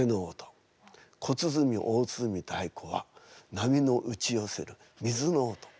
小鼓大鼓太鼓は波の打ち寄せる水の音。